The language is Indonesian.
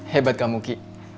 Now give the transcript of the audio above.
hebat kamu ki